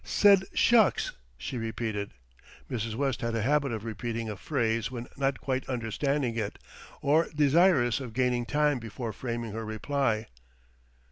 "Said 'shucks!'" she repeated. Mrs. West had a habit of repeating a phrase when not quite understanding it, or desirous of gaining time before framing her reply.